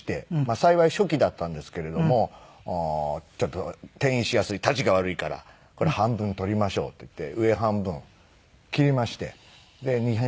幸い初期だったんですけれどもちょっと転移しやすいタチが悪いからこれ半分取りましょうっていって上半分切りましてで２年半経ちます。